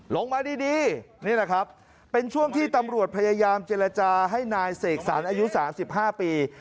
ลงมาดีนี่แหละครับเป็นช่วงที่ตำรวจพยายามเจรจาให้นายเสกสรรอายุ๓๕ปี